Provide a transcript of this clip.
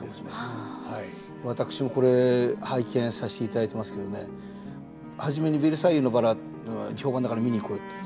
私もこれ拝見させていただいてますけどね初めに「ベルサイユのばら」評判だから見に行こうよって。